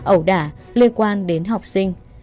ẩu đả liên quan đến học sinh